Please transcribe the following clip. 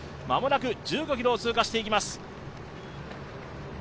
間もなく１５ｋｍを通過していきます。